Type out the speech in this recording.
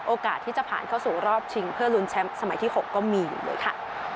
โอกาสที่จะผ่านเข้าสู่รอบชิงเพื่อลุ้นแชมป์สมัยที่๖ก็มีอยู่เลยค่ะ